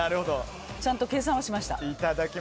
ちゃんと計算をしました。